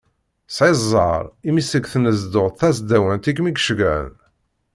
Tesɛiḍ zher imi seg tnezduɣt tasdawant i kem-id-ceggɛen.